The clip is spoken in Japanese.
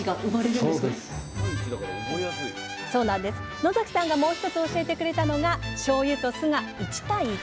野さんがもう一つ教えてくれたのがしょうゆと酢が「１：１」！